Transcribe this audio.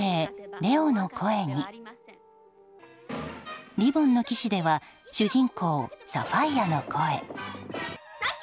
レオの声に「リボンの騎士」では主人公サファイアの声。